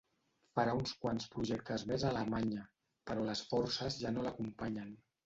Farà uns quants projectes més a Alemanya, però les forces ja no l'acompanyen.